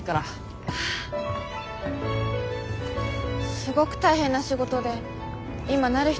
すごぐ大変な仕事で今なる人少ないし。